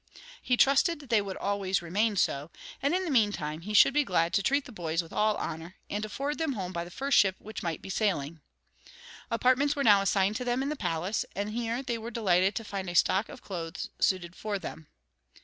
He trusted they would always remain so, and in the meantime he should be glad to treat the boys with all honor, and to forward them home by the first ship which might be sailing. Apartments were now assigned to them in the palace, and here they were delighted to find a stock of clothes suited for them.